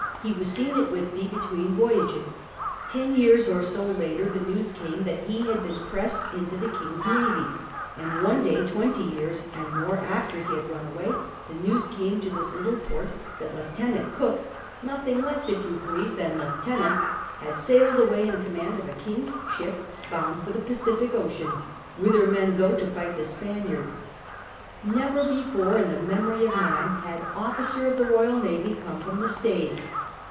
1 le was seen at Whitby between voyages. Ten years or so later the news came that he had been j)rcssed into the king's navy. And one flay, twenty years and mom after ho hatl run away, the news came to this little port that Lieutenant Cook — nothing less, if you please, than Lieutenant — jjjad sailed away in command of a king's ship, bound for the Pacific Ocean, whither men go to fight the Spaniard'. Never before, in the memory of man, had officer of the Royal Navy come from the Staithes.